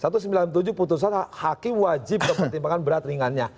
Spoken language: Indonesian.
tidak ada pertimbangan berat ringannya